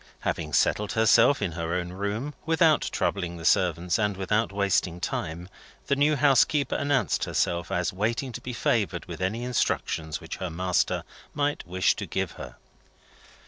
Having settled herself in her own room, without troubling the servants, and without wasting time, the new housekeeper announced herself as waiting to be favoured with any instructions which her master might wish to give her.